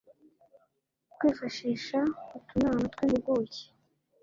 kwifashisha utunama tw impuguke